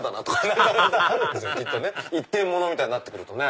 アハハハハ一点物みたいになってくるとね。